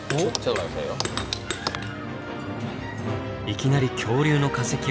いきなり恐竜の化石を発見？